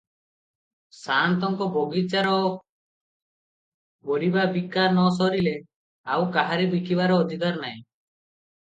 ସାଆନ୍ତଙ୍କ ବଗିଚାର ପରିବା ବିକା ନ ସରିଲେ ଆଉ କାହାରି ବିକିବାର ଅଧିକାର ନାହିଁ ।